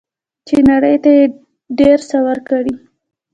چې نړۍ ته یې ډیر څه ورکړي.